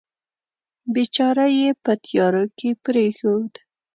بیچاره یې په تیارو کې پرېښود.